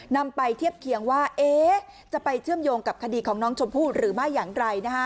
นำไปเทียบเคียงว่าจะไปเชื่อมโยงกับคดีของน้องชมพู่หรือไม่อย่างไร